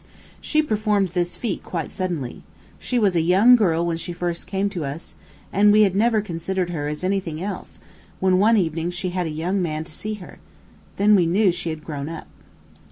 She performed this feat quite suddenly. She was a young girl when she first came to us, and we had never considered her as anything else, when one evening she had a young man to see her. Then we knew she had grown up.